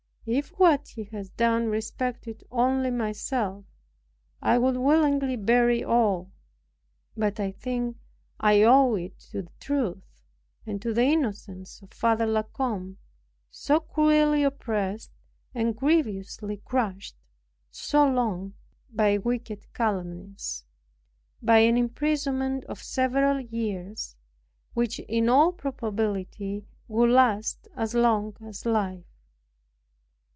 If what he has done respected only myself, I would willingly bury all; but I think I owe it to the truth, and to the innocence of Father La Combe, so cruelly oppressed, and grievously crushed so long, by wicked calumnies, by an imprisonment of several years, which in all probability will last as long as life.